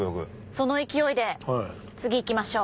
その勢いで次行きましょう！